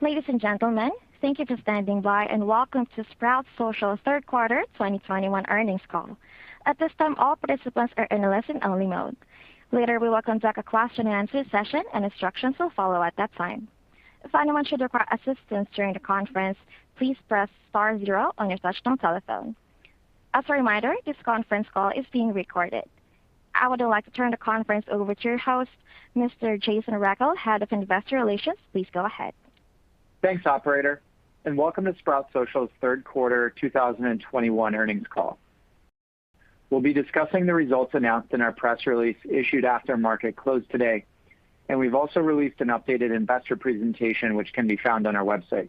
Ladies and gentlemen, thank you for standing by and welcome to Sprout Social's third quarter 2021 earnings call. At this time, all participants are in a listen-only mode. Later, we will conduct a question-and-answer session, and instructions will follow at that time. If anyone should require assistance during the conference, please press star zero on your touchtone telephone. As a reminder, this conference call is being recorded. I would like to turn the conference over to your host, Mr. Jason Rechel, Head of Investor Relations. Please go ahead. Thanks, operator, and welcome to Sprout Social's third quarter 2021 earnings call. We'll be discussing the results announced in our press release issued after market close today, and we've also released an updated investor presentation which can be found on our website.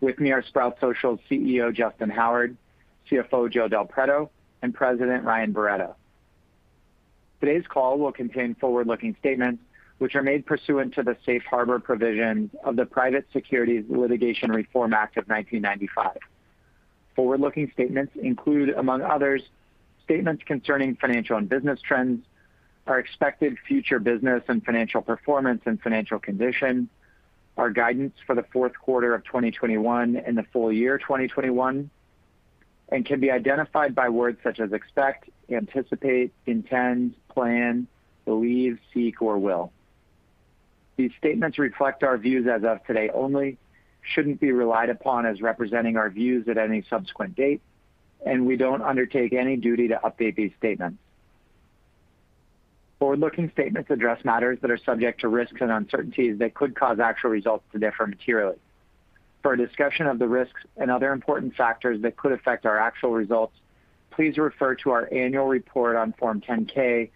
With me are Sprout Social's CEO, Justyn Howard, CFO, Joe Del Preto, and President, Ryan Barretto. Today's call will contain forward-looking statements which are made pursuant to the Safe Harbor provisions of the Private Securities Litigation Reform Act of 1995. Forward-looking statements include, among others, statements concerning financial and business trends, our expected future business and financial performance and financial condition, our guidance for the fourth quarter of 2021 and the full year 2021, and can be identified by words such as expect, anticipate, intend, plan, believe, seek, or will. These statements reflect our views as of today only, shouldn't be relied upon as representing our views at any subsequent date, and we don't undertake any duty to update these statements. Forward-looking statements address matters that are subject to risks and uncertainties that could cause actual results to differ materially. For a discussion of the risks and other important factors that could affect our actual results, please refer to our annual report on Form 10-K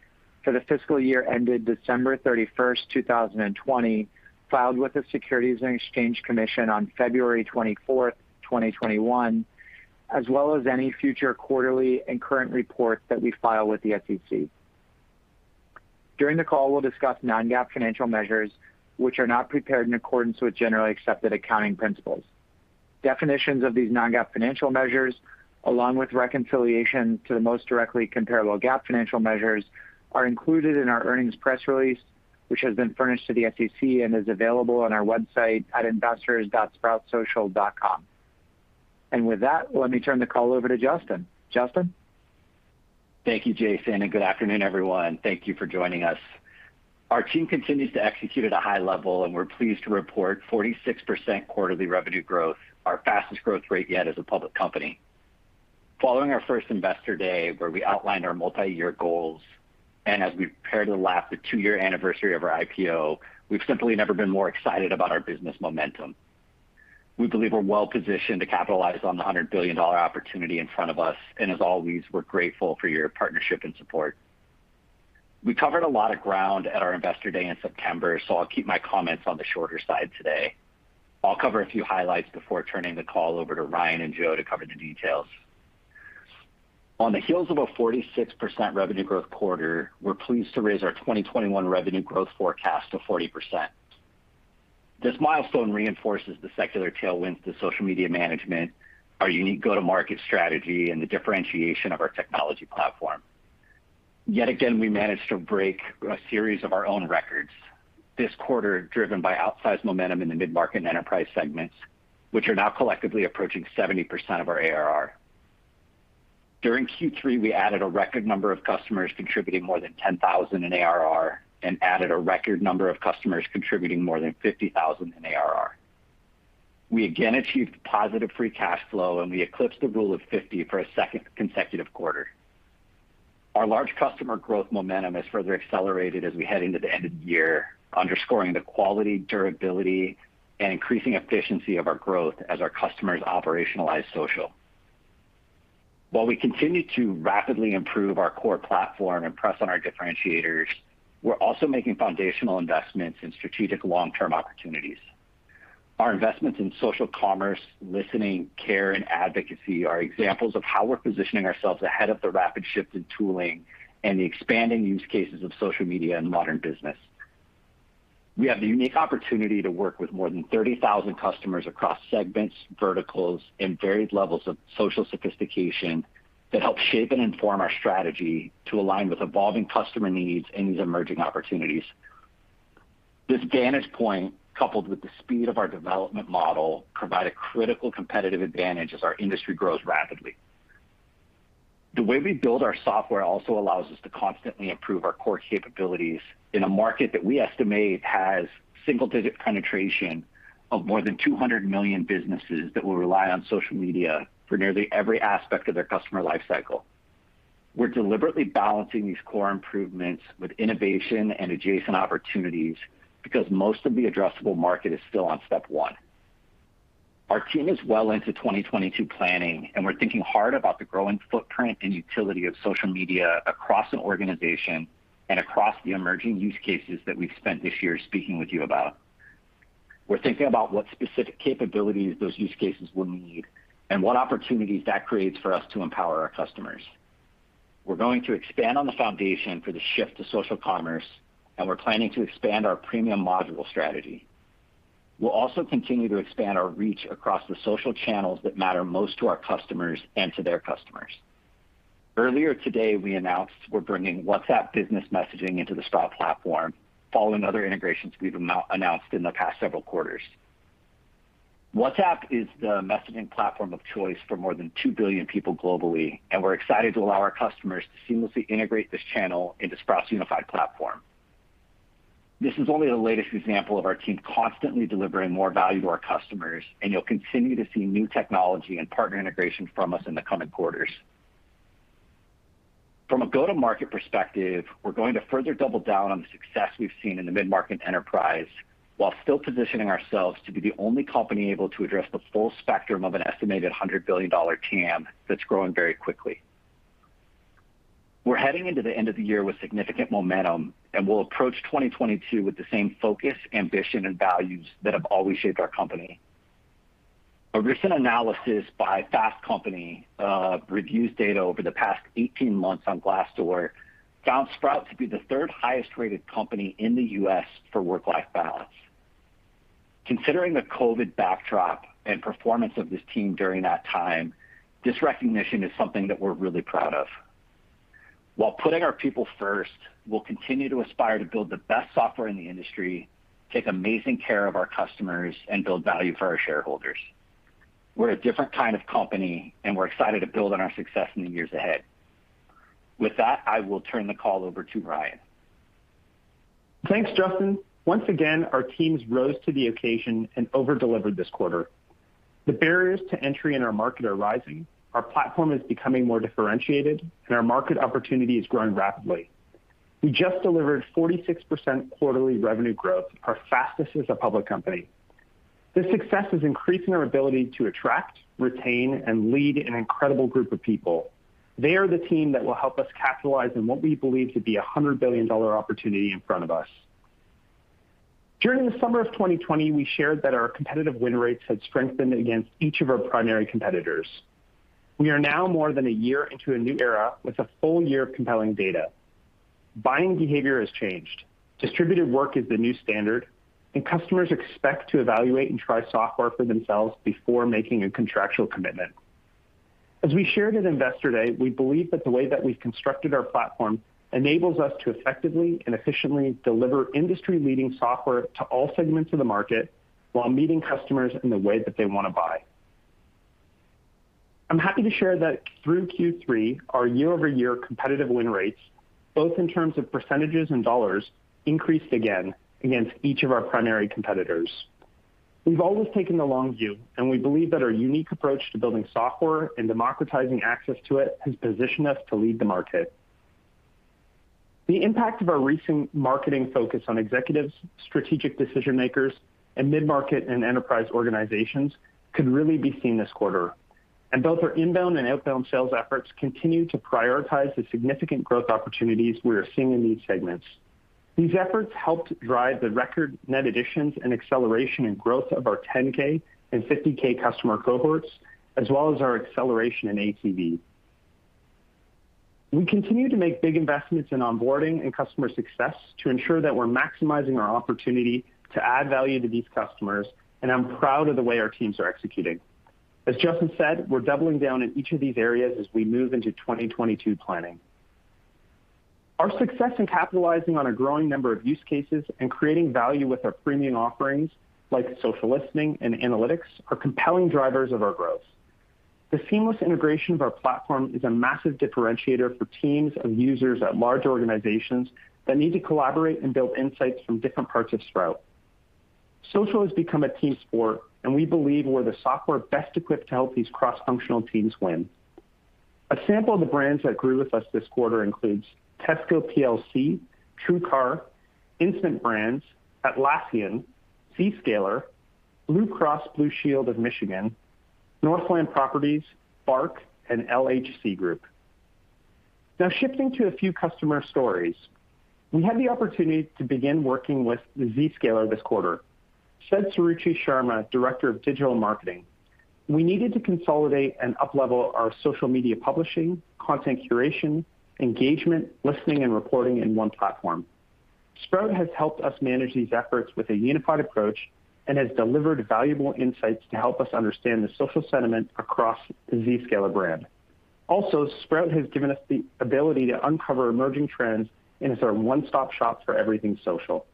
for the fiscal year ended December 31, 2020, filed with the Securities and Exchange Commission on February 24, 2021, as well as any future quarterly and current reports that we file with the SEC. During the call, we'll discuss non-GAAP financial measures which are not prepared in accordance with generally accepted accounting principles. Definitions of these non-GAAP financial measures, along with reconciliation to the most directly comparable GAAP financial measures, are included in our earnings press release, which has been furnished to the SEC and is available on our website at investors.sproutsocial.com. With that, let me turn the call over to Justyn. Justyn? Thank you, Jason, and good afternoon, everyone. Thank you for joining us. Our team continues to execute at a high level, and we're pleased to report 46% quarterly revenue growth, our fastest growth rate yet as a public company. Following our first Investor Day, where we outlined our multi-year goals, and as we prepare to lap the two-year anniversary of our IPO, we've simply never been more excited about our business momentum. We believe we're well-positioned to capitalize on the $100 billion opportunity in front of us, and as always, we're grateful for your partnership and support. We covered a lot of ground at our Investor Day in September, so I'll keep my comments on the shorter side today. I'll cover a few highlights before turning the call over to Ryan and Joe to cover the details. On the heels of a 46% revenue growth quarter, we're pleased to raise our 2021 revenue growth forecast to 40%. This milestone reinforces the secular tailwinds to social media management, our unique go-to-market strategy, and the differentiation of our technology platform. Yet again, we managed to break a series of our own records this quarter, driven by outsized momentum in the mid-market and enterprise segments, which are now collectively approaching 70% of our ARR. During Q3, we added a record number of customers contributing more than 10,000 in ARR and added a record number of customers contributing more than 50,000 in ARR. We again achieved positive free cash flow, and we eclipsed the Rule of 50 for a second consecutive quarter. Our large customer growth momentum has further accelerated as we head into the end of the year, underscoring the quality, durability, and increasing efficiency of our growth as our customers operationalize social. While we continue to rapidly improve our core platform and press on our differentiators, we're also making foundational investments in strategic long-term opportunities. Our investments in social commerce, listening, care, and advocacy are examples of how we're positioning ourselves ahead of the rapid shift in tooling and the expanding use cases of social media in modern business. We have the unique opportunity to work with more than 30,000 customers across segments, verticals, and varied levels of social sophistication that help shape and inform our strategy to align with evolving customer needs and these emerging opportunities. This vantage point, coupled with the speed of our development model, provide a critical competitive advantage as our industry grows rapidly. The way we build our software also allows us to constantly improve our core capabilities in a market that we estimate has single-digit penetration of more than 200 million businesses that will rely on social media for nearly every aspect of their customer life cycle. We're deliberately balancing these core improvements with innovation and adjacent opportunities because most of the addressable market is still on step one. Our team is well into 2022 planning, and we're thinking hard about the growing footprint and utility of social media across an organization and across the emerging use cases that we've spent this year speaking with you about. We're thinking about what specific capabilities those use cases will need and what opportunities that creates for us to empower our customers. We're going to expand on the foundation for the shift to social commerce, and we're planning to expand our premium module strategy. We'll also continue to expand our reach across the social channels that matter most to our customers and to their customers. Earlier today, we announced we're bringing WhatsApp business messaging into the Sprout platform, following other integrations we've announced in the past several quarters. WhatsApp is the messaging platform of choice for more than 2 billion people globally, and we're excited to allow our customers to seamlessly integrate this channel into Sprout's unified platform. This is only the latest example of our team constantly delivering more value to our customers, and you'll continue to see new technology and partner integration from us in the coming quarters. From a go-to-market perspective, we're going to further double down on the success we've seen in the mid-market enterprise while still positioning ourselves to be the only company able to address the full spectrum of an estimated $100 billion TAM that's growing very quickly. We're heading into the end of the year with significant momentum, and we'll approach 2022 with the same focus, ambition, and values that have always shaped our company. A recent analysis by Fast Company reviews data over the past 18 months on Glassdoor found Sprout to be the third highest-rated company in the U.S. for work-life balance. Considering the COVID backdrop and performance of this team during that time, this recognition is something that we're really proud of. While putting our people first, we'll continue to aspire to build the best software in the industry, take amazing care of our customers, and build value for our shareholders. We're a different kind of company, and we're excited to build on our success in the years ahead. With that, I will turn the call over to Ryan. Thanks, Justyn. Once again, our teams rose to the occasion and over-delivered this quarter. The barriers to entry in our market are rising, our platform is becoming more differentiated, and our market opportunity is growing rapidly. We just delivered 46% quarterly revenue growth, our fastest as a public company. This success is increasing our ability to attract, retain, and lead an incredible group of people. They are the team that will help us capitalize on what we believe to be a $100 billion opportunity in front of us. During the summer of 2020, we shared that our competitive win rates had strengthened against each of our primary competitors. We are now more than a year into a new era with a full year of compelling data. Buying behavior has changed. Distributed work is the new standard, and customers expect to evaluate and try software for themselves before making a contractual commitment. As we shared at Investor Day, we believe that the way that we've constructed our platform enables us to effectively and efficiently deliver industry-leading software to all segments of the market while meeting customers in the way that they wanna buy. I'm happy to share that through Q3, our year-over-year competitive win rates, both in terms of percentages and dollars, increased again against each of our primary competitors. We've always taken the long view, and we believe that our unique approach to building software and democratizing access to it has positioned us to lead the market. The impact of our recent marketing focus on executives, strategic decision-makers, and mid-market and enterprise organizations could really be seen this quarter. Both our inbound and outbound sales efforts continue to prioritize the significant growth opportunities we are seeing in these segments. These efforts helped drive the record net additions and acceleration and growth of our 10K and 50K customer cohorts, as well as our acceleration in ATV. We continue to make big investments in onboarding and customer success to ensure that we're maximizing our opportunity to add value to these customers, and I'm proud of the way our teams are executing. As Justyn said, we're doubling down in each of these areas as we move into 2022 planning. Our success in capitalizing on a growing number of use cases and creating value with our premium offerings, like social listening and analytics, are compelling drivers of our growth. The seamless integration of our platform is a massive differentiator for teams of users at large organizations that need to collaborate and build insights from different parts of Sprout Social. Social has become a team sport, and we believe we're the software best equipped to help these cross-functional teams win. A sample of the brands that grew with us this quarter includes Tesco PLC, TrueCar, Instant Brands, Atlassian, Zscaler, Blue Cross Blue Shield of Michigan, Northland Properties, BARK, and LHC Group. Now shifting to a few customer stories. We had the opportunity to begin working with Zscaler this quarter. Suruchi Sharma, Director of Digital Marketing, "We needed to consolidate and uplevel our social media publishing, content curation, engagement, listening, and reporting in one platform. Sprout has helped us manage these efforts with a unified approach and has delivered valuable insights to help us understand the social sentiment across the Zscaler brand. Also, Sprout has given us the ability to uncover emerging trends, and it's our one-stop shop for everything social.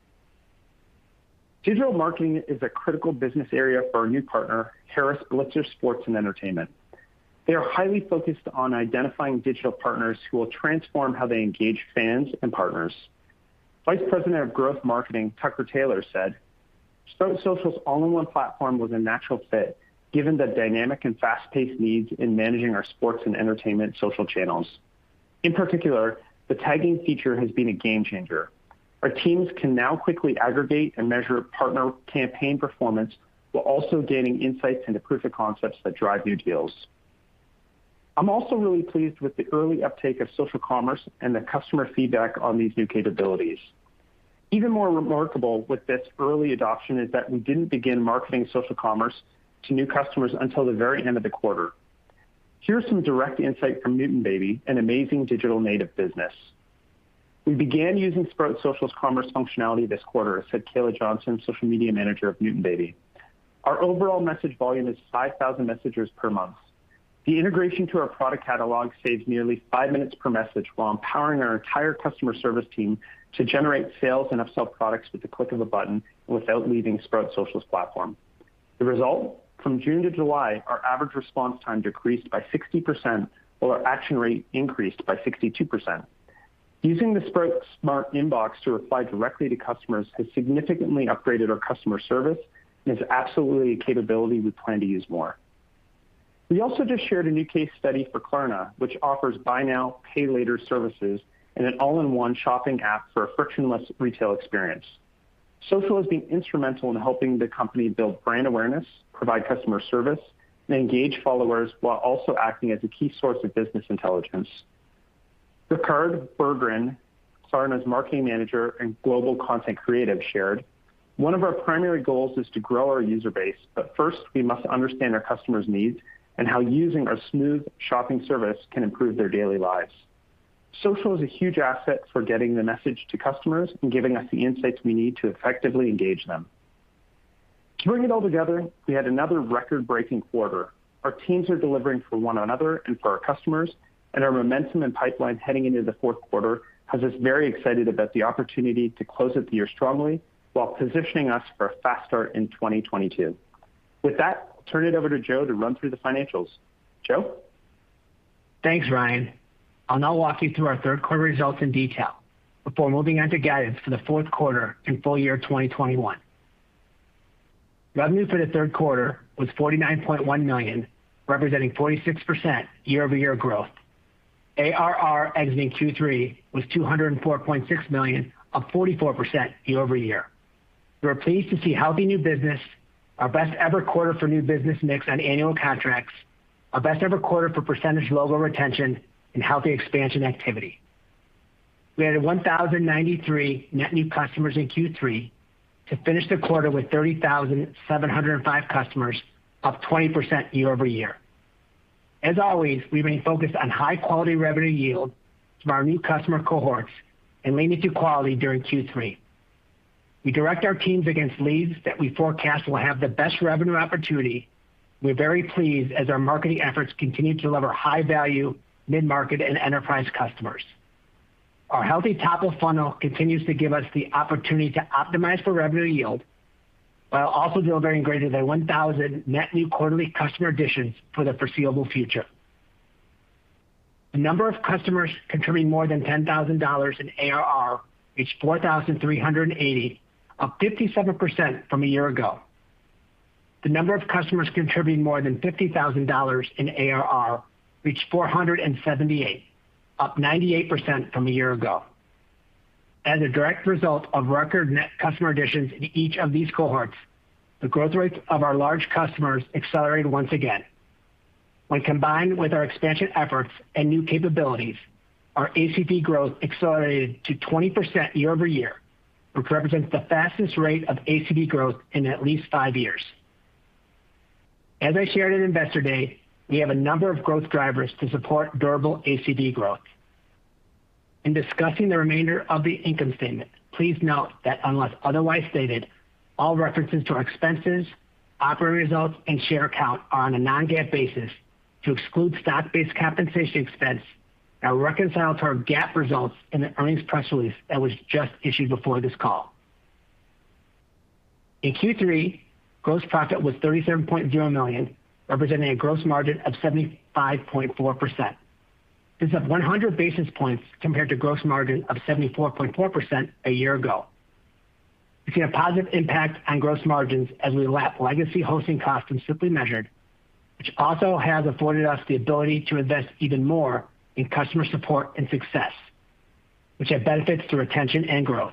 Digital marketing is a critical business area for our new partner, Harris Blitzer Sports & Entertainment. They are highly focused on identifying digital partners who will transform how they engage fans and partners. Vice President of Growth Marketing, Tucker Taylor, said, "Sprout Social's all-in-one platform was a natural fit given the dynamic and fast-paced needs in managing our sports and entertainment social channels. In particular, the tagging feature has been a game changer. Our teams can now quickly aggregate and measure partner campaign performance while also gaining insights into proof of concepts that drive new deals." I'm also really pleased with the early uptake of social commerce and the customer feedback on these new capabilities. Even more remarkable with this early adoption is that we didn't begin marketing social commerce to new customers until the very end of the quarter. Here's some direct insight from Newton Baby, an amazing digital native business. "We began using Sprout Social's commerce functionality this quarter," said Kayla Johnson, Social Media Manager of Newton Baby. "Our overall message volume is 5,000 messages per month. The integration to our product catalog saves nearly five minutes per message while empowering our entire customer service team to generate sales and upsell products with the click of a button without leaving Sprout Social's platform. The result, from June to July, our average response time decreased by 60% while our action rate increased by 62%. Using the Sprout Smart Inbox to reply directly to customers has significantly upgraded our customer service and is absolutely a capability we plan to use more." We also just shared a new case study for Klarna, which offers buy now, pay later services in an all-in-one shopping app for a frictionless retail experience. Social has been instrumental in helping the company build brand awareness, provide customer service, and engage followers while also acting as a key source of business intelligence. Rickard Berggren, Klarna's Marketing Manager and Global Content Creative, shared, "One of our primary goals is to grow our user base, but first we must understand our customers' needs and how using our smooth shopping service can improve their daily lives. Social is a huge asset for getting the message to customers and giving us the insights we need to effectively engage them." To bring it all together, we had another record-breaking quarter. Our teams are delivering for one another and for our customers, and our momentum and pipeline heading into the fourth quarter has us very excited about the opportunity to close out the year strongly while positioning us for a fast start in 2022. With that, I'll turn it over to Joe to run through the financials. Joe? Thanks, Ryan. I'll now walk you through our third quarter results in detail before moving on to guidance for the fourth quarter and full year 2021. Revenue for the third quarter was $49.1 million, representing 46% year-over-year growth. ARR exiting Q3 was $204.6 million, up 44% year-over-year. We were pleased to see healthy new business, our best ever quarter for new business mix on annual contracts, our best ever quarter for percentage logo retention, and healthy expansion activity. We added 1,093 net new customers in Q3 to finish the quarter with 30,705 customers, up 20% year-over-year. As always, we remain focused on high-quality revenue yield from our new customer cohorts and leaning to quality during Q3. We direct our teams against leads that we forecast will have the best revenue opportunity, and we're very pleased as our marketing efforts continue to deliver high value mid-market and enterprise customers. Our healthy top-of-funnel continues to give us the opportunity to optimize for revenue yield while also delivering greater than 1,000 net new quarterly customer additions for the foreseeable future. The number of customers contributing more than $10,000 in ARR reached 4,380, up 57% from a year ago. The number of customers contributing more than $50,000 in ARR reached 478, up 98% from a year ago. As a direct result of record net customer additions in each of these cohorts, the growth rate of our large customers accelerated once again. When combined with our expansion efforts and new capabilities, our ACV growth accelerated to 20% year-over-year, which represents the fastest rate of ACV growth in at least five years. As I shared at Investor Day, we have a number of growth drivers to support durable ACV growth. In discussing the remainder of the income statement, please note that unless otherwise stated, all references to our expenses, operating results, and share count are on a non-GAAP basis to exclude stock-based compensation expense that will reconcile to our GAAP results in the earnings press release that was just issued before this call. In Q3, gross profit was $37.0 million, representing a gross margin of 75.4%. This is up 100 basis points compared to gross margin of 74.4% a year ago. We see a positive impact on gross margins as we lap legacy hosting costs when simply measured, which also has afforded us the ability to invest even more in customer support and success, which have benefits through retention and growth.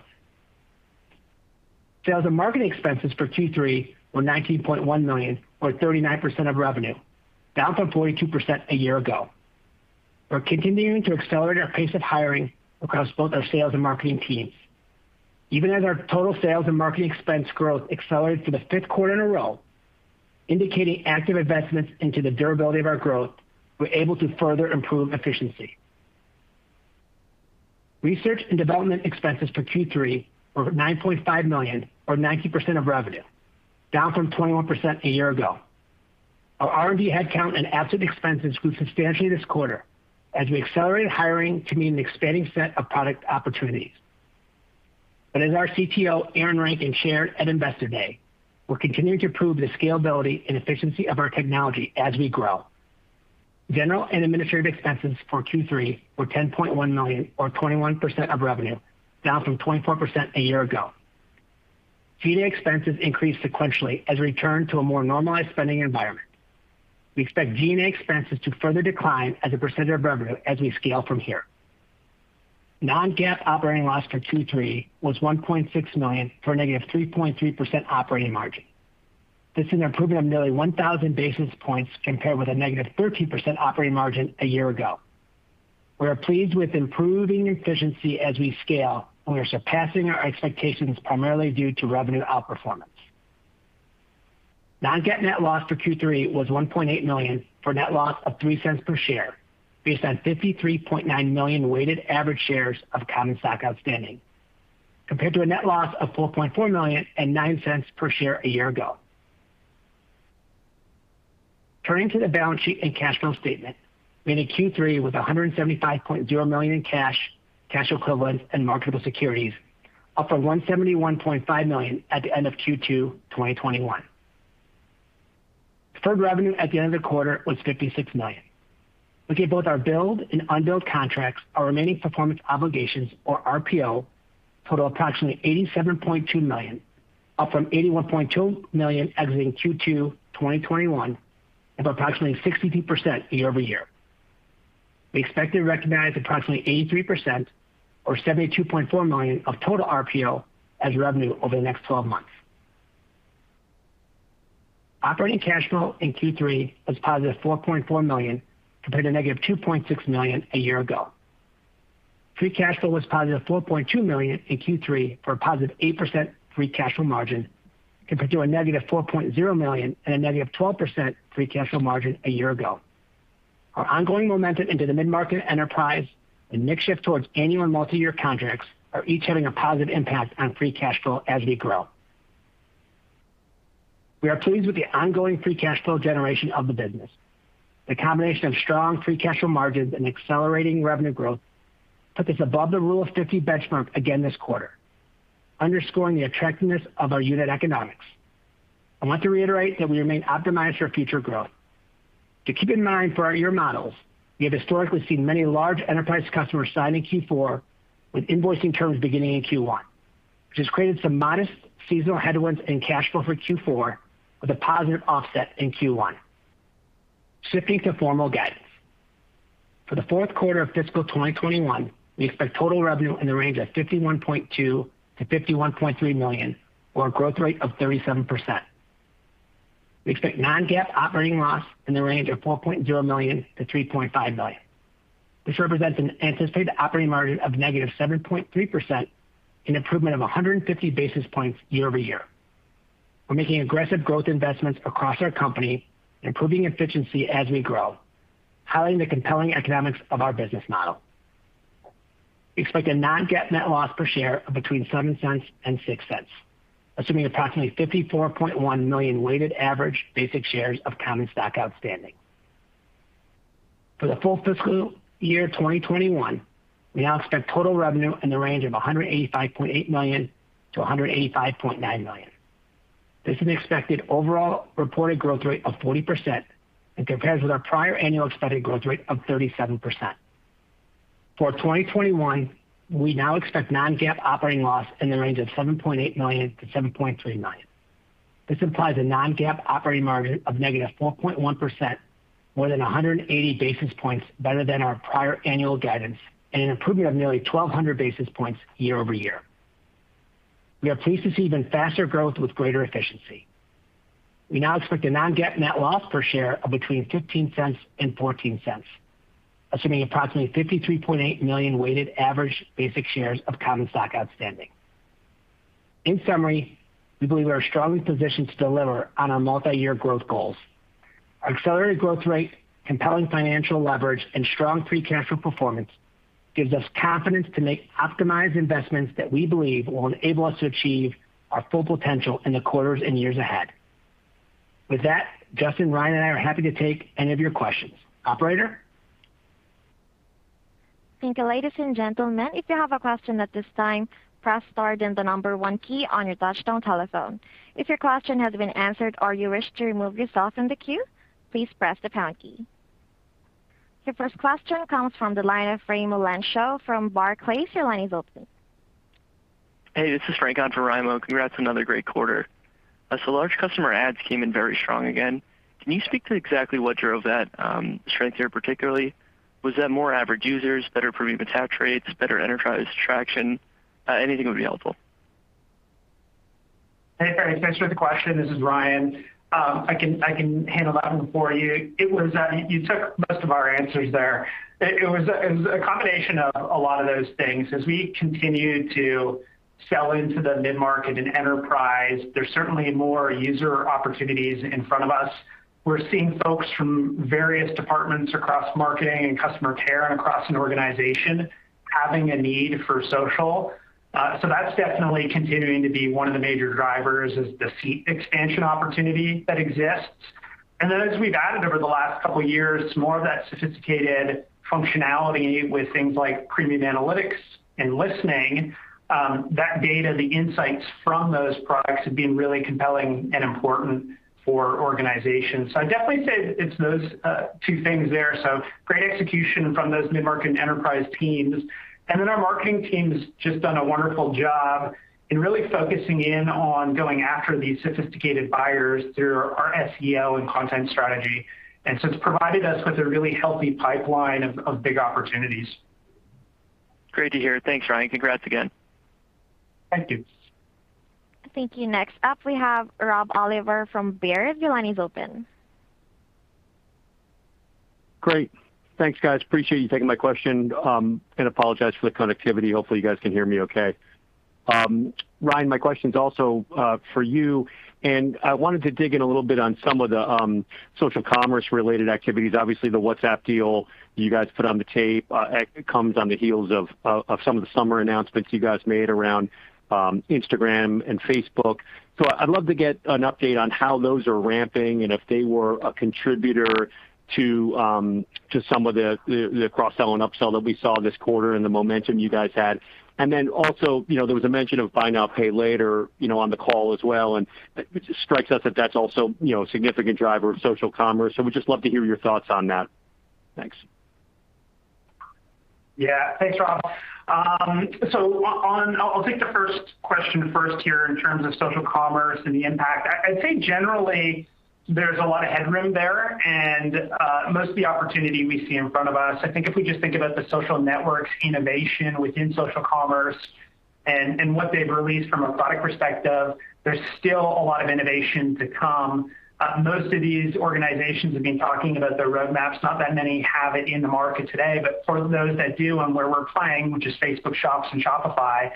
Sales and marketing expenses for Q3 were $19.1 million or 39% of revenue, down from 42% a year ago. We're continuing to accelerate our pace of hiring across both our sales and marketing teams. Even as our total sales and marketing expense growth accelerated for the fifth quarter in a row, indicating active investments into the durability of our growth, we're able to further improve efficiency. Research and development expenses for Q3 were $9.5 million or 19% of revenue, down from 21% a year ago. Our R&D headcount and R&D expenses grew substantially this quarter as we accelerated hiring to meet an expanding set of product opportunities. As our CTO, Aaron Rankin, shared at Investor Day, we're continuing to prove the scalability and efficiency of our technology as we grow. General and administrative expenses for Q3 were $10.1 million or 21% of revenue, down from 24% a year ago. G&A expenses increased sequentially as we return to a more normalized spending environment. We expect G&A expenses to further decline as a percentage of revenue as we scale from here. Non-GAAP operating loss for Q3 was $1.6 million for a -3.3% operating margin. This is an improvement of nearly 1,000 basis points compared with a -13% operating margin a year ago. We are pleased with improving efficiency as we scale, and we are surpassing our expectations primarily due to revenue outperformance. Non-GAAP net loss for Q3 was $1.8 million for a net loss of $0.03 per share based on 53.9 million weighted average shares of common stock outstanding, compared to a net loss of $4.4 million and $0.09 per share a year ago. Turning to the balance sheet and cash flow statement, we ended Q3 with $175.0 million in cash equivalents, and marketable securities, up from $171.5 million at the end of Q2 2021. Deferred revenue at the end of the quarter was $56 million. Looking at both our billed and unbilled contracts, our remaining performance obligations or RPO total approximately $87.2 million, up from $81.2 million exiting Q2 2021, up approximately 62% year-over-year. We expect to recognize approximately 83% or $72.4 million of total RPO as revenue over the next 12 months. Operating cash flow in Q3 was +$4.4 million compared to -$2.6 million a year ago. Free cash flow was +$4.2 million in Q3 for a +8% free cash flow margin compared to a -$4.0 million and a -12% free cash flow margin a year ago. Our ongoing momentum into the mid-market enterprise and mix shift towards annual multi-year contracts are each having a positive impact on free cash flow as we grow. We are pleased with the ongoing free cash flow generation of the business. The combination of strong free cash flow margins and accelerating revenue growth put us above the rule of fifty benchmark again this quarter, underscoring the attractiveness of our unit economics. I want to reiterate that we remain optimized for future growth. To keep in mind for our year models, we have historically seen many large enterprise customers sign in Q4 with invoicing terms beginning in Q1, which has created some modest seasonal headwinds in cash flow for Q4 with a positive offset in Q1. Shifting to formal guidance. For the fourth quarter of fiscal 2021, we expect total revenue in the range of $51.2 million-$51.3 million, or a growth rate of 37%. We expect non-GAAP operating loss in the range of $4.0 million-$3.5 million, which represents an anticipated operating margin of -7.3%, an improvement of 150 basis points year-over-year. We're making aggressive growth investments across our company, improving efficiency as we grow, highlighting the compelling economics of our business model. We expect a non-GAAP net loss per share of between $0.07 and $0.06, assuming approximately 54.1 million weighted average basic shares of common stock outstanding. For the full fiscal year 2021, we now expect total revenue in the range of $185.8 million-$185.9 million. This is an expected overall reported growth rate of 40% and compares with our prior annual expected growth rate of 37%. For 2021, we now expect non-GAAP operating loss in the range of $7.8 million-$7.3 million. This implies a non-GAAP operating margin of -4.1%, more than 180 basis points better than our prior annual guidance, and an improvement of nearly 1,200 basis points year-over-year. We are pleased to see even faster growth with greater efficiency. We now expect a non-GAAP net loss per share of between $0.15 and $0.14, assuming approximately 53.8 million weighted average basic shares of common stock outstanding. In summary, we believe we are strongly positioned to deliver on our multi-year growth goals. Our accelerated growth rate, compelling financial leverage, and strong free cash flow performance gives us confidence to make optimized investments that we believe will enable us to achieve our full potential in the quarters and years ahead. With that, Justyn, Ryan, and I are happy to take any of your questions. Operator? Thank you. Your first question comes from the line of Raimo Lenschow from Barclays. Your line is open. Hey, this is Frank on for Raimo Lenschow. Congrats, another great quarter. As the large customer adds came in very strong again, can you speak to exactly what drove that strength here particularly? Was that more average users, better premium attach rates, better enterprise traction? Anything would be helpful. Hey, Frank, thanks for the question. This is Ryan. I can handle that one for you. It was you took most of our answers there. It was a combination of a lot of those things. As we continue to sell into the mid-market and enterprise, there's certainly more user opportunities in front of us. We're seeing folks from various departments across marketing and customer care and across an organization having a need for social. That's definitely continuing to be one of the major drivers is the seat expansion opportunity that exists. As we've added over the last couple years, more of that sophisticated functionality with things like premium analytics and listening, that data, the insights from those products have been really compelling and important for organizations. I'd definitely say it's those two things there. Great execution from those mid-market enterprise teams. Our marketing team's just done a wonderful job in really focusing in on going after these sophisticated buyers through our SEO and content strategy. It's provided us with a really healthy pipeline of big opportunities. Great to hear. Thanks, Ryan. Congrats again. Thank you. Thank you. Next up, we have Rob Oliver from Baird. Your line is open. Great. Thanks, guys. Appreciate you taking my question, and apologize for the connectivity. Hopefully, you guys can hear me okay. Ryan, my question is also for you, and I wanted to dig in a little bit on some of the social commerce related activities. Obviously, the WhatsApp deal you guys put on the tape, it comes on the heels of some of the summer announcements you guys made around Instagram and Facebook. I'd love to get an update on how those are ramping and if they were a contributor to some of the cross-sell and upsell that we saw this quarter and the momentum you guys had. Then also, you know, there was a mention of buy now, pay later, you know, on the call as well, and it strikes us that that's also, you know, a significant driver of social commerce. We'd just love to hear your thoughts on that. Thanks. Yeah. Thanks, Rob. I'll take the first question first here in terms of social commerce and the impact. I think generally there's a lot of headroom there and most of the opportunity we see in front of us. I think if we just think about the social networks innovation within social commerce and what they've released from a product perspective, there's still a lot of innovation to come. Most of these organizations have been talking about their roadmaps. Not that many have it in the market today, but for those that do and where we're playing, which is Facebook Shops and Shopify,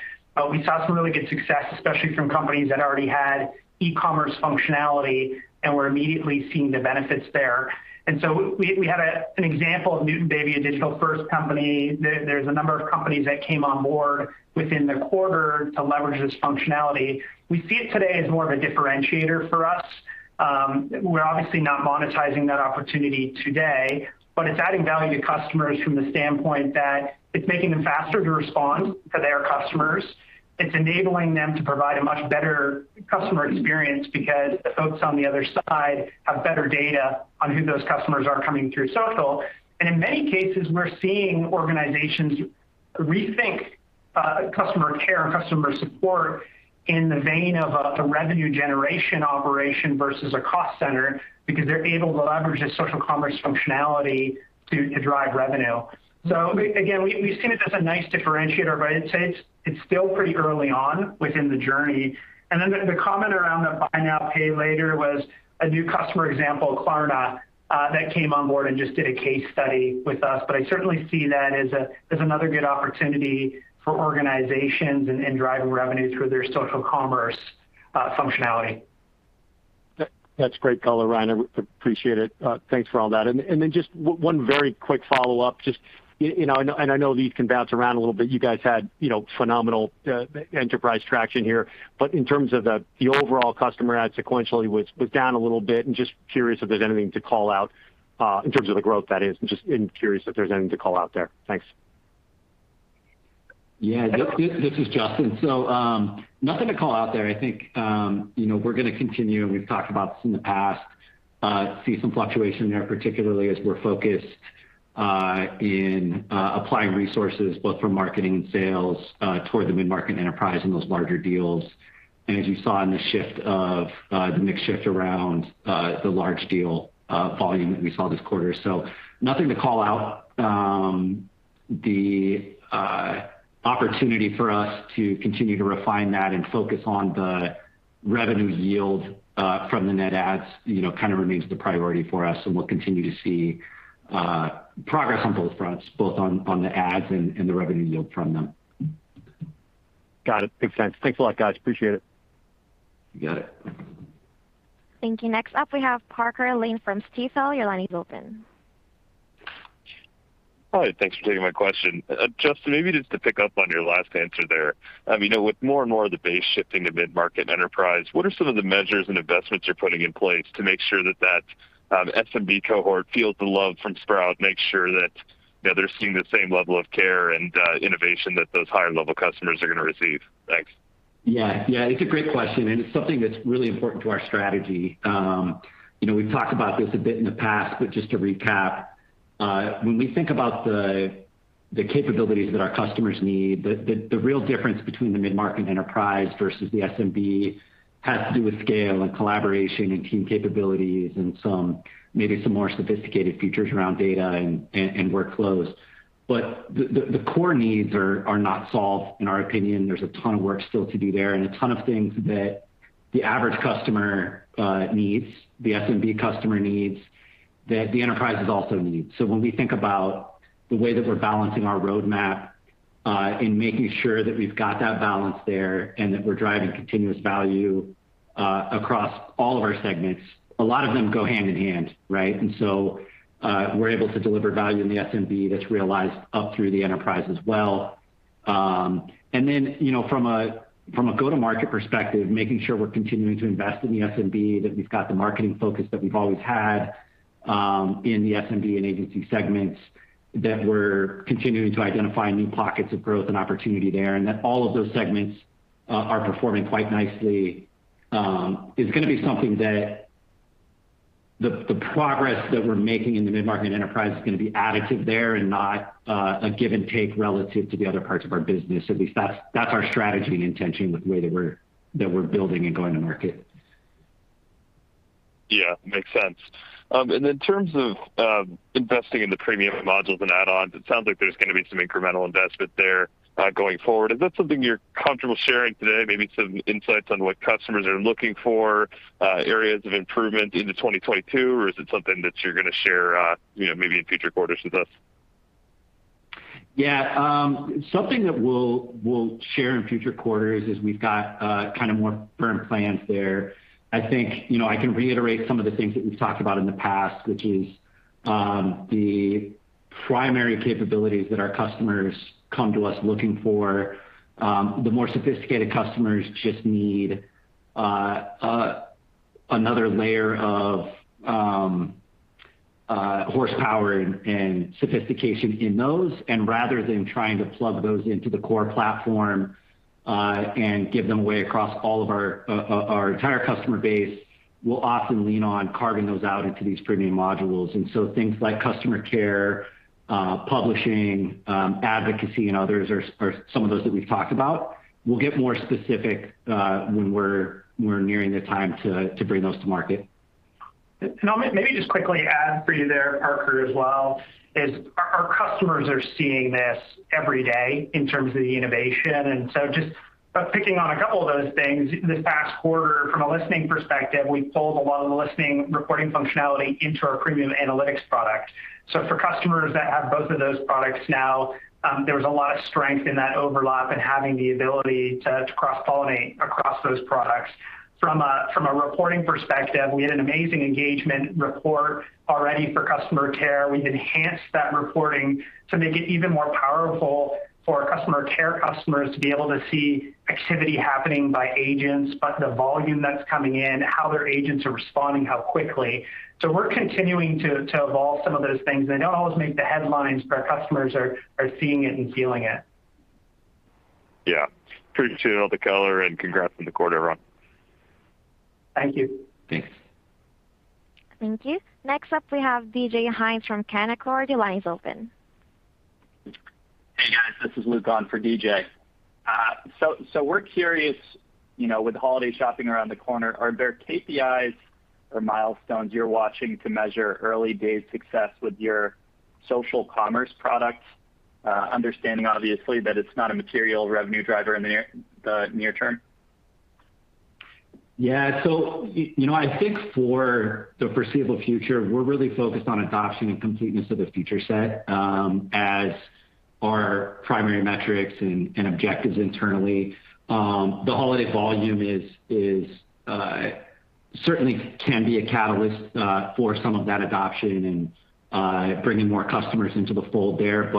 we saw some really good success, especially from companies that already had e-commerce functionality and were immediately seeing the benefits there. We had an example of Newton Baby, a digital first company. There's a number of companies that came on board within the quarter to leverage this functionality. We see it today as more of a differentiator for us. We're obviously not monetizing that opportunity today, but it's adding value to customers from the standpoint that it's making them faster to respond to their customers. It's enabling them to provide a much better customer experience because the folks on the other side have better data on who those customers are coming through social. In many cases, we're seeing organizations rethink customer care and customer support in the vein of a revenue generation operation versus a cost center because they're able to leverage the social commerce functionality to drive revenue. Again, we've seen it as a nice differentiator, but I'd say it's still pretty early on within the journey. The comment around the buy now, pay later was a new customer example, Klarna, that came on board and just did a case study with us. I certainly see that as another good opportunity for organizations in driving revenue through their social commerce functionality. That's great color, Ryan. I appreciate it. Thanks for all that. Then just one very quick follow-up. Just, you know, and I know these can bounce around a little bit. You guys had, you know, phenomenal enterprise traction here. In terms of the overall customer add sequentially was down a little bit and just curious if there's anything to call out in terms of the growth that is. Just curious if there's anything to call out there. Thanks. Yeah. This is Justyn. Nothing to call out there. I think, you know, we're gonna continue, and we've talked about this in the past, see some fluctuation there, particularly as we're focused in applying resources both from marketing and sales toward the mid-market enterprise and those larger deals. As you saw in the shift of the mix shift around the large deal volume that we saw this quarter. Nothing to call out. The opportunity for us to continue to refine that and focus on the revenue yield from the net adds, you know, kind of remains the priority for us, and we'll continue to see progress on both fronts, both on the adds and the revenue yield from them. Got it. Makes sense. Thanks a lot, guys. Appreciate it. You got it. Thank you. Next up, we have Parker Lane from Stifel. Your line is open. Hi, thanks for taking my question. Justyn, maybe just to pick up on your last answer there. You know, with more and more of the base shifting to mid-market enterprise, what are some of the measures and investments you're putting in place to make sure that SMB cohort feels the love from Sprout, makes sure that, you know, they're seeing the same level of care and innovation that those higher level customers are gonna receive? Thanks. Yeah. Yeah, it's a great question, and it's something that's really important to our strategy. You know, we've talked about this a bit in the past, but just to recap, when we think about the real difference between the mid-market enterprise versus the SMB has to do with scale and collaboration and team capabilities and some, maybe some more sophisticated features around data and workflows. The core needs are not solved in our opinion. There's a ton of work still to do there and a ton of things that the average customer needs, the SMB customer needs that the enterprises also need. When we think about the way that we're balancing our roadmap, in making sure that we've got that balance there and that we're driving continuous value, across all of our segments, a lot of them go hand in hand, right? We're able to deliver value in the SMB that's realized up through the enterprise as well. You know, from a go-to-market perspective, making sure we're continuing to invest in the SMB, that we've got the marketing focus that we've always had in the SMB and agency segments, that we're continuing to identify new pockets of growth and opportunity there, and that all of those segments are performing quite nicely, is gonna be something that the progress that we're making in the mid-market enterprise is gonna be additive there and not a give and take relative to the other parts of our business. At least that's our strategy and intention with the way that we're building and going to market. Yeah. Makes sense. In terms of investing in the premium modules and add-ons, it sounds like there's gonna be some incremental investment there, going forward. Is that something you're comfortable sharing today? Maybe some insights on what customers are looking for, areas of improvement into 2022, or is it something that you're gonna share, you know, maybe in future quarters with us? Yeah. Something that we'll share in future quarters as we've got kind of more firm plans there. I think, you know, I can reiterate some of the things that we've talked about in the past, which is the primary capabilities that our customers come to us looking for. The more sophisticated customers just need another layer of horsepower and sophistication in those. Rather than trying to plug those into the core platform and give them away across all of our our entire customer base, we'll often lean on carving those out into these premium modules. Things like customer care, publishing, advocacy and others are some of those that we've talked about. We'll get more specific when we're nearing the time to bring those to market. I'll maybe just quickly add for you there, Parker, as well. Our customers are seeing this every day in terms of the innovation. Just by picking on a couple of those things, this past quarter, from a listening perspective, we pulled a lot of the listening reporting functionality into our premium analytics product. For customers that have both of those products now, there was a lot of strength in that overlap and having the ability to cross-pollinate across those products. From a reporting perspective, we had an amazing engagement report already for customer care. We've enhanced that reporting to make it even more powerful for our customer care customers to be able to see activity happening by agents, by the volume that's coming in, how their agents are responding, how quickly. We're continuing to evolve some of those things. They don't always make the headlines, but our customers are seeing it and feeling it. Yeah. Appreciate all the color, and congrats on the quarter, everyone. Thank you. Thanks. Thank you. Next up, we have D.J. Hynes from Canaccord. Your line is open. Hey, guys, this is Luke on for D.J. We're curious, you know, with holiday shopping around the corner, are there KPIs or milestones you're watching to measure early days success with your social commerce products? Understanding obviously that it's not a material revenue driver in the near term. Yeah. You know, I think for the foreseeable future, we're really focused on adoption and completeness of the feature set as our primary metrics and objectives internally. The holiday volume is certainly can be a catalyst for some of that adoption and bringing more customers into the fold there.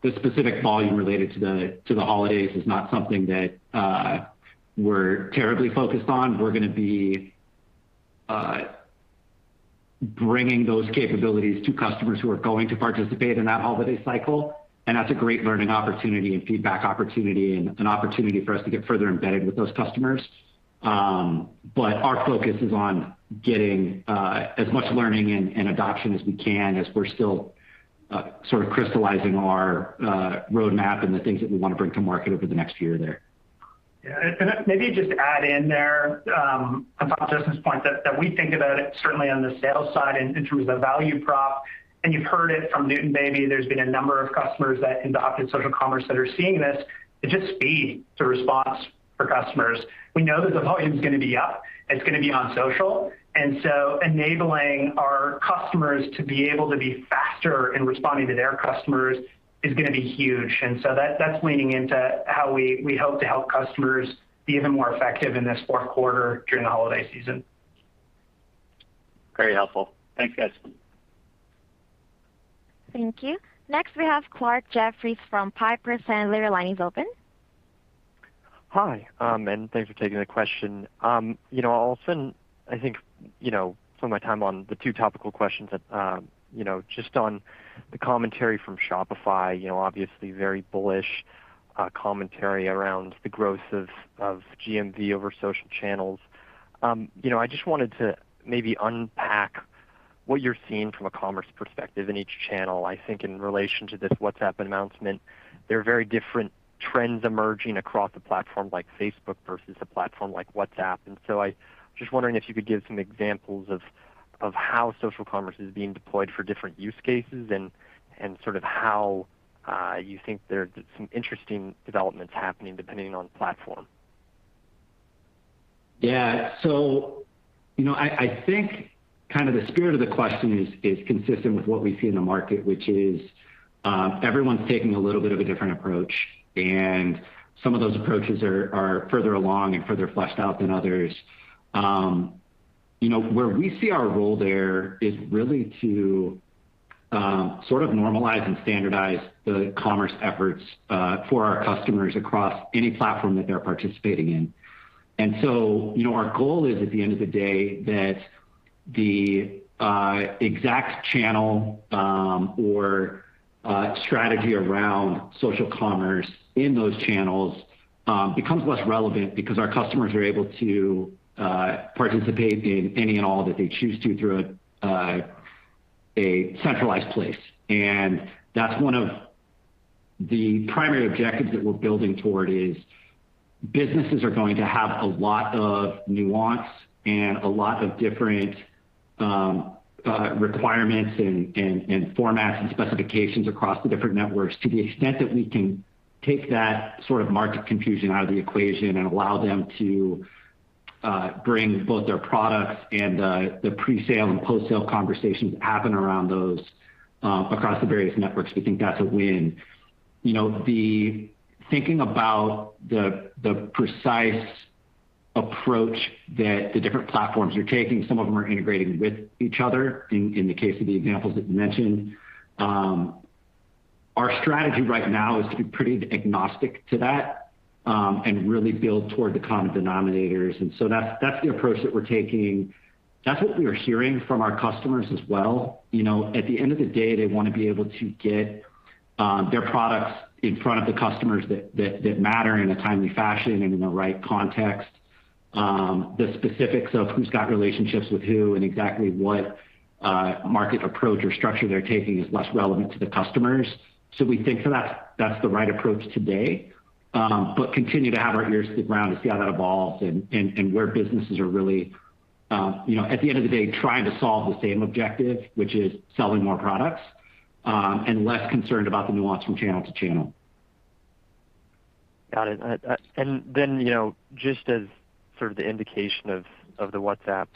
The specific volume related to the holidays is not something that we're terribly focused on. We're gonna be bringing those capabilities to customers who are going to participate in that holiday cycle, and that's a great learning opportunity and feedback opportunity and an opportunity for us to get further embedded with those customers. Our focus is on getting as much learning and adoption as we can as we're still sort of crystallizing our roadmap and the things that we want to bring to market over the next year there. Yeah. Maybe just add in there about Justyn's point that we think about it certainly on the sales side in terms of value prop, and you've heard it from Newton Baby. There's been a number of customers that adopted social commerce that are seeing this. It's just speed to response for customers. We know that the volume is going to be up, it's going to be on social. Enabling our customers to be able to be faster in responding to their customers is going to be huge. That's leaning into how we hope to help customers be even more effective in this fourth quarter during the holiday season. Very helpful. Thanks, guys. Thank you. Next, we have Clarke Jeffries from Piper Sandler. Your line is open. Hi. Thanks for taking the question. You know, I'll spend, I think, you know, some of my time on the two topical questions that, you know, just on the commentary from Shopify, you know, obviously very bullish commentary around the growth of GMV over social channels. You know, I just wanted to maybe unpack what you're seeing from a commerce perspective in each channel. I think in relation to this WhatsApp announcement, there are very different trends emerging across a platform like Facebook versus a platform like WhatsApp. Just wondering if you could give some examples of how social commerce is being deployed for different use cases and sort of how you think there's some interesting developments happening depending on platform. Yeah. You know, I think kind of the spirit of the question is consistent with what we see in the market, which is, everyone's taking a little bit of a different approach, and some of those approaches are further along and further fleshed out than others. You know, where we see our role there is really to sort of normalize and standardize the commerce efforts for our customers across any platform that they're participating in. You know, our goal is, at the end of the day, that the exact channel or strategy around social commerce in those channels becomes less relevant because our customers are able to participate in any and all that they choose to through a centralized place. That's one of the primary objectives that we're building toward is, businesses are going to have a lot of nuance and a lot of different requirements and formats and specifications across the different networks. To the extent that we can take that sort of market confusion out of the equation and allow them to bring both their products and the presale and post-sale conversations happen around those across the various networks. We think that's a win. You know, the thinking about the precise approach that the different platforms are taking, some of them are integrating with each other in the case of the examples that you mentioned. Our strategy right now is to be pretty agnostic to that and really build toward the common denominators. That's the approach that we're taking. That's what we are hearing from our customers as well. You know, at the end of the day, they want to be able to get their products in front of the customers that matter in a timely fashion and in the right context. The specifics of who's got relationships with who and exactly what market approach or structure they're taking is less relevant to the customers. We think that that's the right approach today. Continue to have our ears to the ground to see how that evolves and where businesses are really, you know, at the end of the day, trying to solve the same objective, which is selling more products and less concerned about the nuance from channel to channel. Got it. You know, just as sort of the indication of the WhatsApp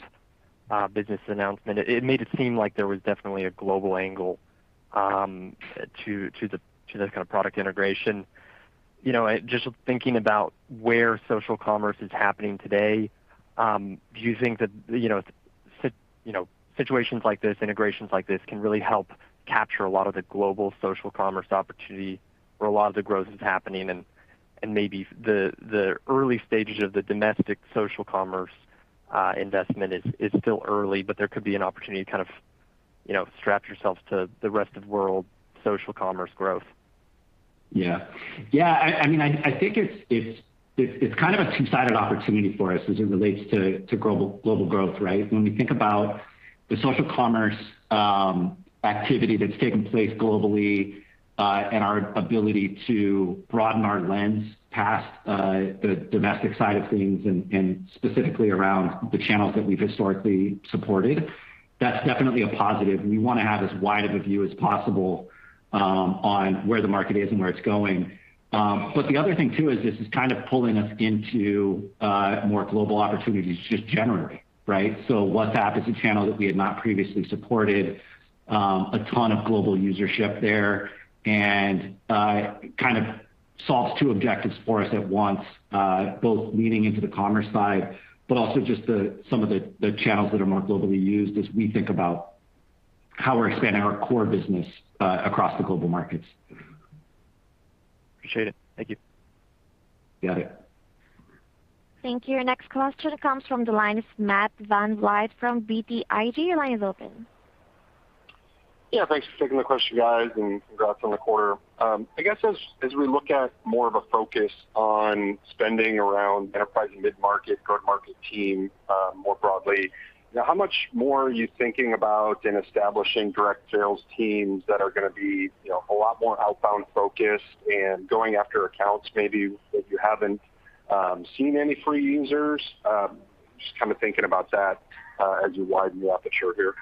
business announcement, it made it seem like there was definitely a global angle to this kind of product integration. You know, just thinking about where social commerce is happening today, do you think that, you know, situations like this, integrations like this can really help capture a lot of the global social commerce opportunity where a lot of the growth is happening and maybe the early stages of the domestic social commerce investment is still early, but there could be an opportunity to kind of, you know, strap yourselves to the rest of world social commerce growth. Yeah. Yeah. I mean, I think it's kind of a two-sided opportunity for us as it relates to global growth, right? When we think about the social commerce activity that's taking place globally, and our ability to broaden our lens past the domestic side of things and specifically around the channels that we've historically supported, that's definitely a positive. We want to have as wide of a view as possible on where the market is and where it's going. The other thing too is this is kind of pulling us into more global opportunities just generally, right? WhatsApp is a channel that we had not previously supported, a ton of global user base there, and kind of solves two objectives for us at once, both leaning into the commerce side, but also just some of the channels that are more globally used as we think about how we're expanding our core business across the global markets. Appreciate it. Thank you. You got it. Thank you. Next question comes from the line of Matt VanVliet from BTIG. Your line is open. Yeah, thanks for taking the question, guys, and congrats on the quarter. I guess as we look at more of a focus on spending around enterprise and mid-market customer marketing team, more broadly, how much more are you thinking about in establishing direct sales teams that are gonna be, you know, a lot more outbound focused and going after accounts maybe that you haven't seen any free users? Just kind of thinking about that as you widen the aperture here.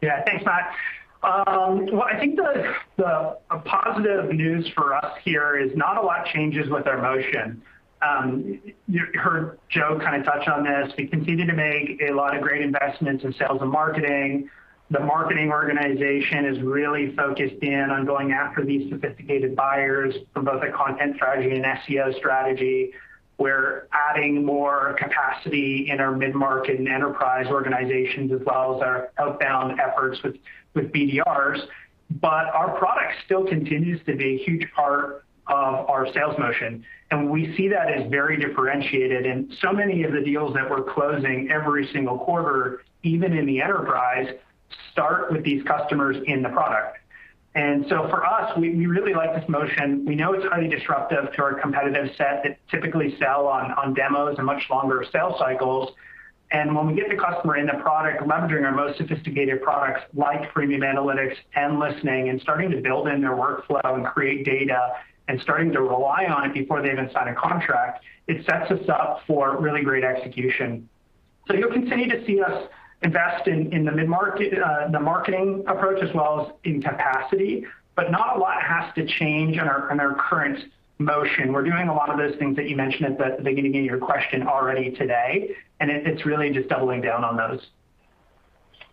Yeah. Thanks, Matt. Well, I think a positive news for us here is not a lot changes with our motion. You heard Joe kind of touch on this. We continue to make a lot of great investments in sales and marketing. The marketing organization is really focused in on going after these sophisticated buyers from both a content strategy and SEO strategy. We're adding more capacity in our mid-market and enterprise organizations, as well as our outbound efforts with BDRs. But our product still continues to be a huge part of our sales motion, and we see that as very differentiated. Many of the deals that we're closing every single quarter, even in the enterprise, start with these customers in the product. For us, we really like this motion. We know it's highly disruptive to our competitive set that typically sell on demos and much longer sales cycles. When we get the customer in the product, leveraging our most sophisticated products like premium analytics and listening, and starting to build in their workflow and create data and starting to rely on it before they even sign a contract, it sets us up for really great execution. You'll continue to see us invest in the mid-market, the marketing approach as well as in capacity, but not a lot has to change in our current motion. We're doing a lot of those things that you mentioned at the beginning of your question already today, and it's really just doubling down on those.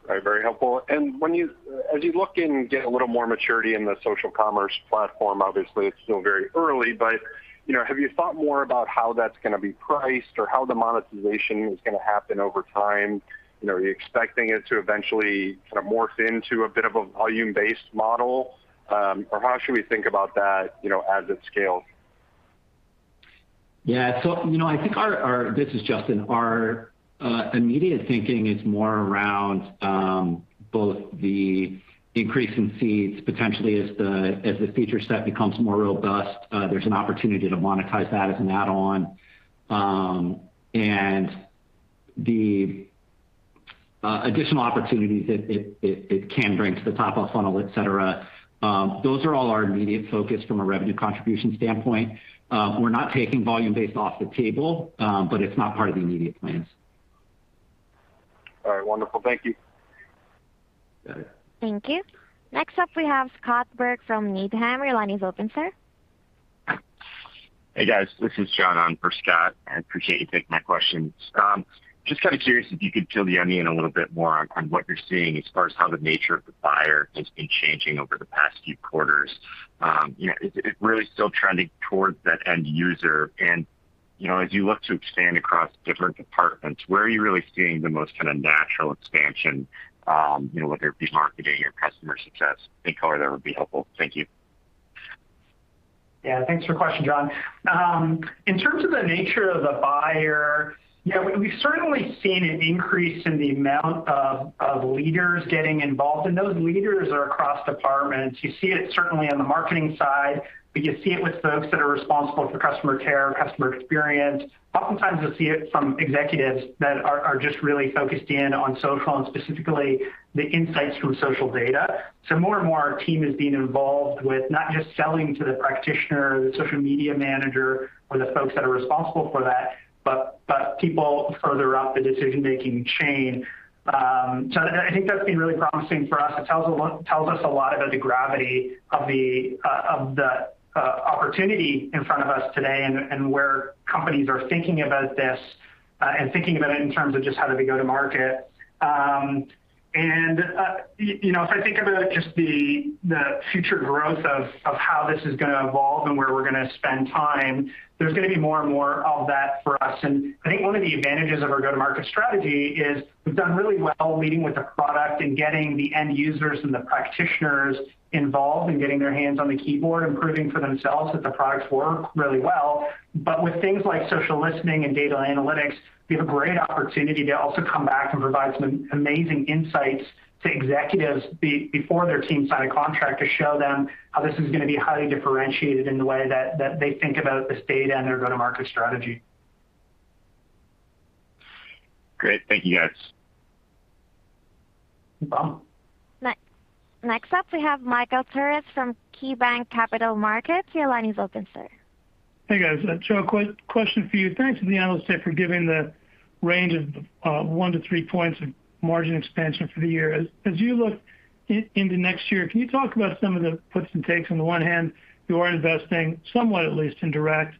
All right. Very helpful. As you look and get a little more maturity in the social commerce platform, obviously it's still very early, but, you know, have you thought more about how that's gonna be priced or how the monetization is gonna happen over time? You know, are you expecting it to eventually sort of morph into a bit of a volume-based model? Or how should we think about that, you know, as it scales? Yeah. You know. This is Justyn, immediate thinking is more around both the increase in fees potentially as the feature set becomes more robust. There's an opportunity to monetize that as an add-on. The additional opportunities it can bring to the top of funnel, et cetera, those are all our immediate focus from a revenue contribution standpoint. We're not taking volume-based off the table, but it's not part of the immediate plans. All right. Wonderful. Thank you. Thank you. Next up we have Scott Berg from Needham. Your line is open, sir. Hey, guys. This is John on for Scott. I appreciate you taking my questions. Just kind of curious if you could peel the onion a little bit more on what you're seeing as far as how the nature of the buyer has been changing over the past few quarters. You know, is it really still trending towards that end user? You know, as you look to expand across different departments, where are you really seeing the most kind of natural expansion, you know, whether it be marketing or customer success? Any color there would be helpful. Thank you. Yeah. Thanks for the question, John. In terms of the nature of the buyer, yeah, we've certainly seen an increase in the amount of leaders getting involved, and those leaders are across departments. You see it certainly on the marketing side, but you see it with folks that are responsible for customer care, customer experience. Oftentimes you'll see it from executives that are just really focused in on social and specifically the insights from social data. More and more our team is being involved with not just selling to the practitioner, the social media manager, or the folks that are responsible for that, but people further up the decision-making chain. I think that's been really promising for us. It tells us a lot about the gravity of the opportunity in front of us today and where companies are thinking about this and thinking about it in terms of just how do they go to market. You know, if I think about just the future growth of how this is gonna evolve and where we're gonna spend time, there's gonna be more and more of that for us. I think one of the advantages of our go-to-market strategy is we've done really well leading with the product and getting the end users and the practitioners involved and getting their hands on the keyboard and proving for themselves that the products work really well. With things like social listening and data analytics, we have a great opportunity to also come back and provide some amazing insights to executives before their teams sign a contract to show them how this is gonna be highly differentiated in the way that they think about this data and their go-to-market strategy. Great. Thank you, guys. You got it. Next up we have Michael Turits from KeyBanc Capital Markets. Your line is open, sir. Hey, guys. Joe, question for you. Thanks to the analyst today for giving the range of 1-3 points of margin expansion for the year. As you look into next year, can you talk about some of the puts and takes? On the one hand, you are investing somewhat at least in direct sales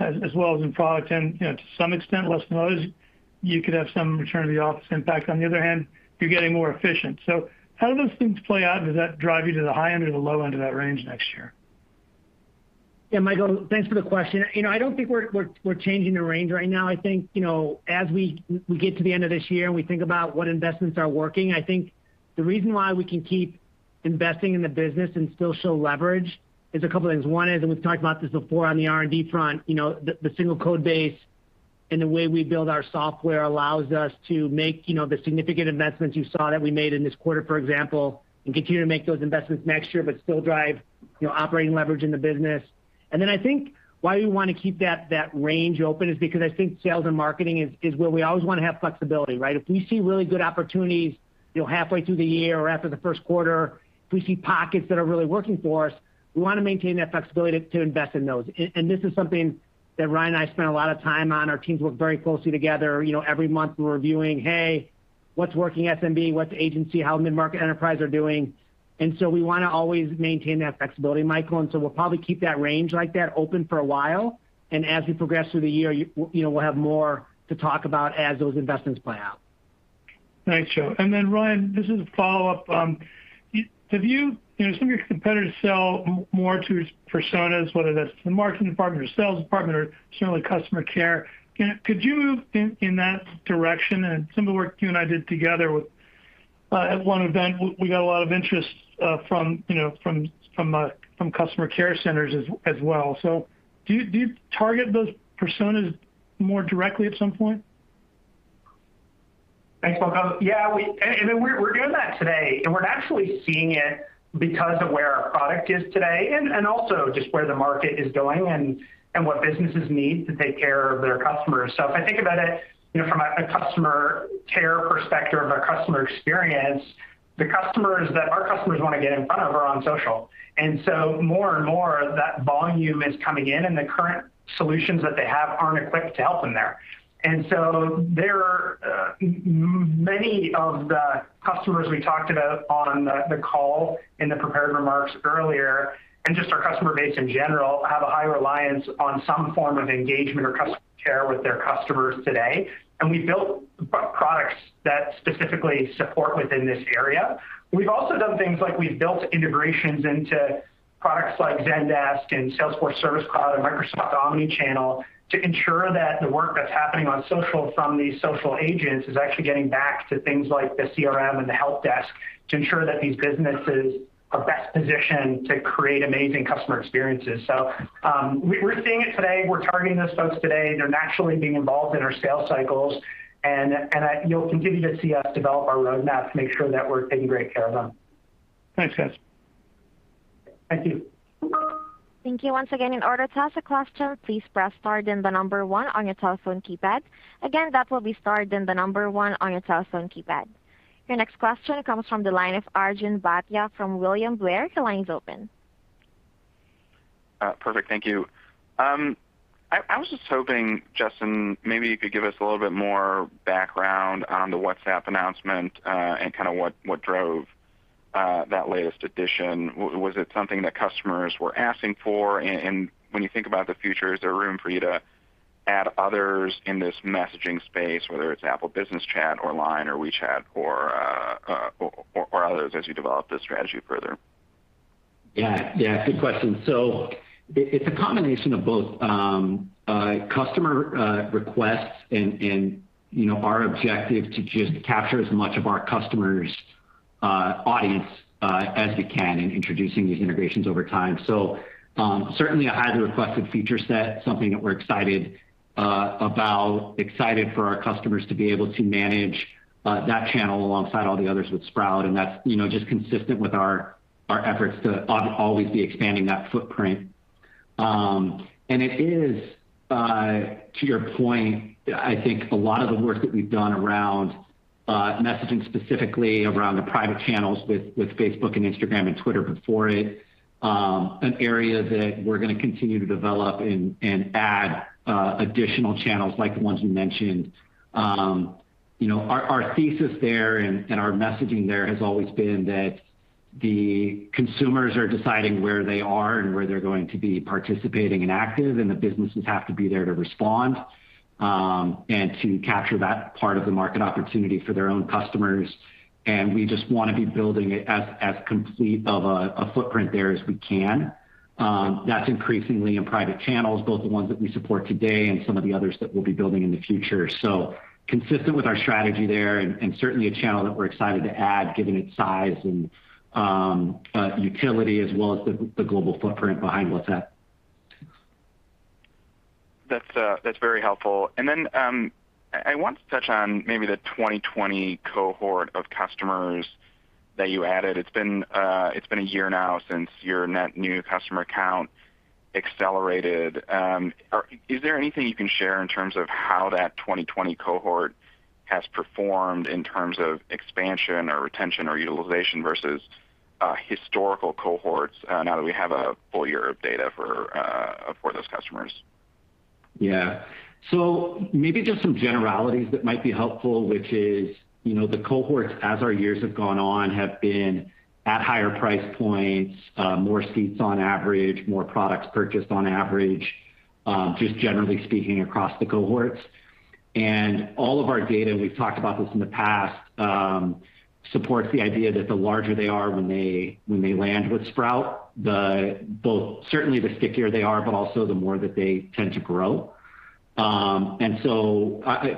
as well as in product. You know, to some extent, less than others, you could have some return to the office impact. On the other hand, you're getting more efficient. How do those things play out? Does that drive you to the high end or the low end of that range next year? Yeah. Michael, thanks for the question. You know, I don't think we're changing the range right now. I think, you know, as we get to the end of this year and we think about what investments are working, I think the reason why we can keep investing in the business and still show leverage is a couple things. One is, and we've talked about this before on the R&D front, you know, the single code base and the way we build our software allows us to make, you know, the significant investments you saw that we made in this quarter, for example, and continue to make those investments next year but still drive, you know, operating leverage in the business. I think why we wanna keep that range open is because I think sales and marketing is where we always wanna have flexibility, right? If we see really good opportunities, you know, halfway through the year or after the first quarter, if we see pockets that are really working for us, we wanna maintain that flexibility to invest in those. And this is something that Ryan and I spent a lot of time on. Our teams work very closely together. You know, every month we're reviewing, "Hey, what's working SMB? What's agency? How mid-market enterprise are doing?" We wanna always maintain that flexibility, Michael. We'll probably keep that range like that open for a while, and as we progress through the year, you know, we'll have more to talk about as those investments play out. Thanks, Joe. Ryan, this is a follow-up. Have you know, some of your competitors sell more to personas, whether that's the marketing department or sales department or certainly customer care. Could you move in that direction? Some of the work you and I did together with at one event, we got a lot of interest from, you know, from customer care centers as well. Do you target those personas more directly at some point? Thanks, Michael. Yeah. We're doing that today, and we're actually seeing it because of where our product is today and also just where the market is going and what businesses need to take care of their customers. If I think about it, you know, from a customer care perspective or a customer experience, the customers that our customers wanna get in front of are on social. More and more of that volume is coming in, and the current solutions that they have aren't equipped to help them there. There are many of the customers we talked about on the call in the prepared remarks earlier, and just our customer base in general, have a high reliance on some form of engagement or customer care with their customers today, and we built products that specifically support within this area. We've also done things like we've built integrations into products like Zendesk and Salesforce Service Cloud and Microsoft Omnichannel to ensure that the work that's happening on social from these social agents is actually getting back to things like the CRM and the help desk to ensure that these businesses are best positioned to create amazing customer experiences. We're seeing it today. We're targeting those folks today. They're naturally being involved in our sales cycles, and you'll continue to see us develop our roadmap to make sure that we're taking great care of them. Thanks, guys. Thank you. Thank you once again. Your next question comes from the line of Arjun Bhatia from William Blair. Your line is open. Perfect. Thank you. I was just hoping, Justyn, maybe you could give us a little bit more background on the WhatsApp announcement, and kind of what drove that latest addition. Was it something that customers were asking for? When you think about the future, is there room for you to add others in this messaging space, whether it's Apple Business Chat or Line or WeChat or others as you develop this strategy further? Yeah. Yeah. Good question. It's a combination of both, customer requests and, you know, our objective to just capture as much of our customer's audience as we can in introducing these integrations over time. Certainly a highly requested feature set, something that we're excited about. Excited for our customers to be able to manage that channel alongside all the others with Sprout, and that's, you know, just consistent with our efforts to always be expanding that footprint. It is, to your point, I think a lot of the work that we've done around messaging specifically around the private channels with Facebook and Instagram and Twitter before it, an area that we're gonna continue to develop and add additional channels like the ones you mentioned. You know, our thesis there and our messaging there has always been that the consumers are deciding where they are and where they're going to be participating and active, and the businesses have to be there to respond and to capture that part of the market opportunity for their own customers. We just wanna be building it as complete of a footprint there as we can. That's increasingly in private channels, both the ones that we support today and some of the others that we'll be building in the future. Consistent with our strategy there and certainly a channel that we're excited to add given its size and utility as well as the global footprint behind WhatsApp. That's very helpful. I want to touch on maybe the 2020 cohort of customers that you added. It's been a year now since your net new customer count accelerated. Is there anything you can share in terms of how that 2020 cohort has performed in terms of expansion or retention or utilization versus historical cohorts now that we have a full year of data for those customers? Yeah. Maybe just some generalities that might be helpful, which is, you know, the cohorts as our years have gone on, have been at higher price points, more seats on average, more products purchased on average, just generally speaking across the cohorts. All of our data, we've talked about this in the past, supports the idea that the larger they are when they land with Sprout, both certainly the stickier they are, but also the more that they tend to grow. I'm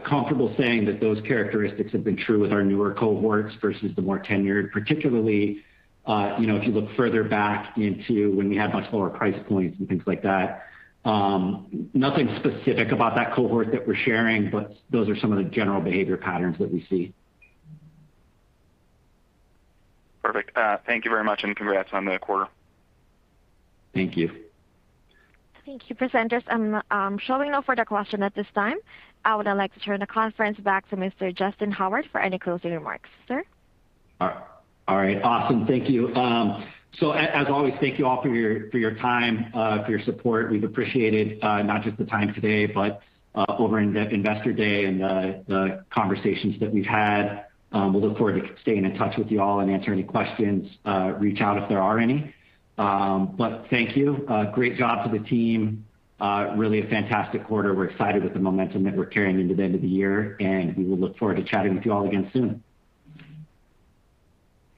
comfortable saying that those characteristics have been true with our newer cohorts versus the more tenured, particularly, you know, if you look further back into when we had much lower price points and things like that. Nothing specific about that cohort that we're sharing, but those are some of the general behavior patterns that we see. Perfect. Thank you very much and congrats on the quarter. Thank you. Thank you, presenters. I'm showing no further question at this time. I would like to turn the conference back to Mr. Justyn Howard for any closing remarks. Sir? All right. Awesome. Thank you. So as always, thank you all for your time, for your support. We've appreciated not just the time today, but over Investor Day and the conversations that we've had. We'll look forward to staying in touch with you all and answer any questions. Reach out if there are any. But thank you. Great job to the team. Really a fantastic quarter. We're excited with the momentum that we're carrying into the end of the year, and we will look forward to chatting with you all again soon.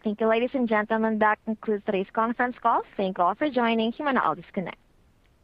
Thank you. Ladies and gentlemen, that concludes today's conference call. Thank you all for joining. You may now disconnect.